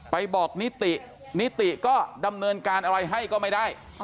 ไปบอกนิตินิติก็ดำเนินการอะไรให้ก็ไม่ได้